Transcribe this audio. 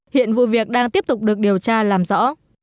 hiện vụ việc đang tiếp tục được điều tra làm rõ